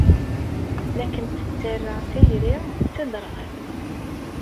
La kem-tettara tayri d taderɣalt.